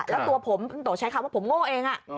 แล้วตัวผมโตใช้คำว่าผมโง่เองอ่ะ